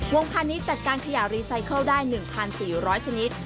วงพันธุ์นี้จัดการขยารีไซเคิลได้๑๔๐๐ชนิด